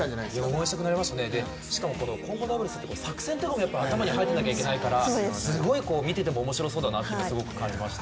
応援したくなりますね、しかも混合ダブルスは、作戦とかも頭に入っていないといけないからすごい見てても面白そうだなと今感じました。